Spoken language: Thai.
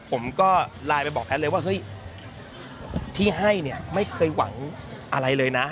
ผมก็ไลน์ไปบอกแพทย์เลยว่าเฮ้ยที่ให้เนี่ยไม่เคยหวังอะไรเลยนะ